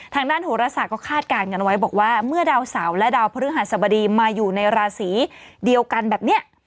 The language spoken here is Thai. ทางด้านโหรศาสตร์ก็คาดการณ์กันไว้บอกว่าเมื่อดาวเสาร์และดาวพฤหัสบดีมาอยู่ในราศีเดียวกันแบบนี้